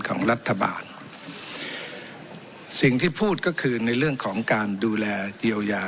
ของรัฐบาลสิ่งที่พูดก็คือในเรื่องของการดูแลเยียวยา